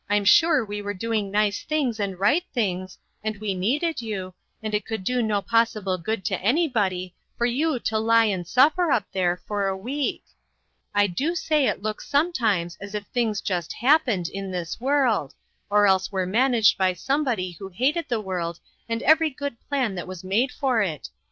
1 79 I'm sure we were doing nice things and right things, and we needed you, and it could do no possible good to anybody for you to lie and suffer up there for a week. I do say it looks sometimes as if things just happened in this world, or else were managed by somebody who hated the world and every good plan that was made for it.